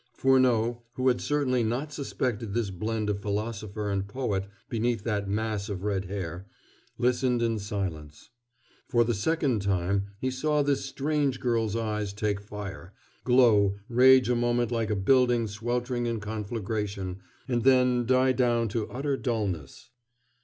Furneaux, who had certainly not suspected this blend of philosopher and poet beneath that mass of red hair, listened in silence. For the second time he saw this strange girl's eyes take fire, glow, rage a moment like a building sweltering in conflagration, and then die down to utter dullness.